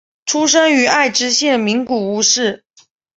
出生于爱知县名古屋市。